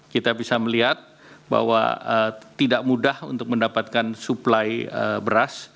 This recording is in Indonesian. kita bisa melihat bahwa tidak mudah untuk mendapatkan suplai beras